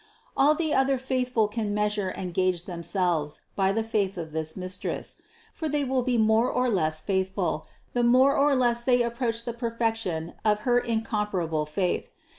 All the other faithful can measure and gage themselves by the faith of this Mistress; for they will be more or less faithful, the more or less they ap proach the perfection of her incomparable faith.